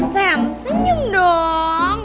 sam senyum dong